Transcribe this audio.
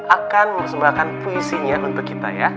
akan mempersembahkan puisinya untuk kita ya